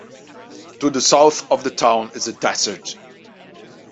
To the south of the town is the desert.